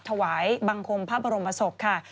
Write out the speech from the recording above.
ถวายบังคมพระบรมศพค่ะ